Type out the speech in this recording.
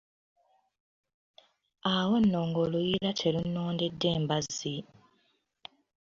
Awo nno ng'oluyiira terunnondedde mbazzi!